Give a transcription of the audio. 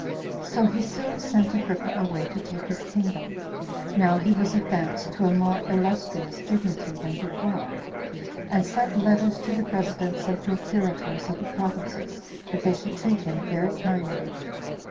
So he soon sent Agrippa away to take his kingdom, now he was advanced to a more illustrious dignity than before, and sent letters to the presidents and procurators of the provinces that they should treat him very kindly.